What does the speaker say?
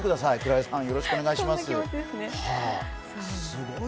鞍井さん、よろしくお願いします。